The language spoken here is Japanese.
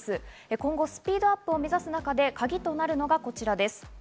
今後スピードアップを目指す中でカギとなるのがこちらです。